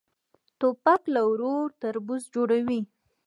توپک له ورور تربور جوړوي.